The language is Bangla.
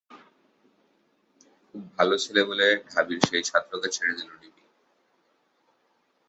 ‘খুব ভালো ছেলে’ বলে ঢাবির সেই ছাত্রকে ছেড়ে দিল ডিবি